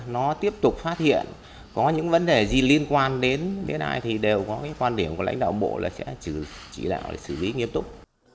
nó tiếp tục phát hiện có những vấn đề gì liên quan đến cái ai thì đều có cái quan điểm của lãnh đạo bộ là sẽ chỉ đạo để xử lý nghiêm túc